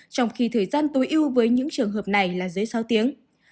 trong khi thời gian tối ưu với những trường hợp này là dưới sáu tiếng